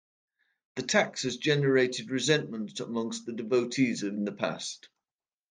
The tax has generated resentment amongst the devotees in the past.